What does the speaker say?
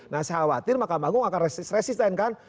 nah saya khawatir makam agung akan resisten kan